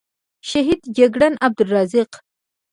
شهید جگړن عبدالحق،